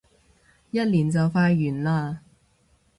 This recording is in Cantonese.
一年就快完嘞